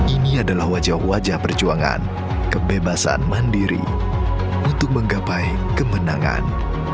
ini adalah wajah wajah perjuangan kebebasan mandiri untuk menggapai kemenangan